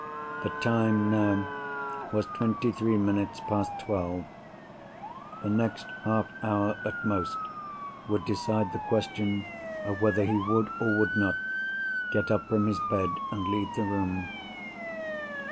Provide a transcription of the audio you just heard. The time, now, was twenty three minutes past twelve. The next half hour, at most, would decide the question of whether he would, or would not, get up from his bed, and leave the room.